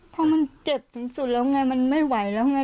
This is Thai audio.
เพราะมันเจ็บถึงสุดแล้วไงมันไม่ไหวแล้วไง